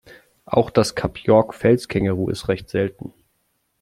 Auch das Kap-York-Felskänguru ist recht selten.